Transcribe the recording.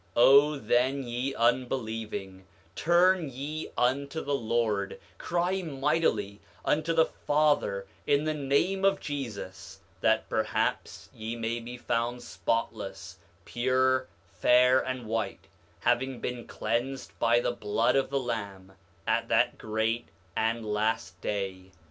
9:6 O then ye unbelieving, turn ye unto the Lord; cry mightily unto the Father in the name of Jesus, that perhaps ye may be found spotless, pure, fair, and white, having been cleansed by the blood of the Lamb, at that great and last day.